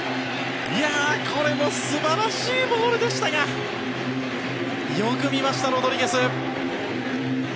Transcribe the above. これも素晴らしいボールでしたがよく見ました、ロドリゲス。